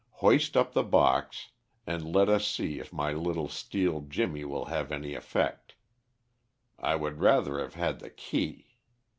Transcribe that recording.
Hoist up the box, and let us see if my little steel jimmy will have any effect. I would rather have had the key.